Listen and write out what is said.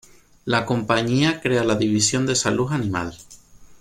La compañía crea la división de Salud Animal.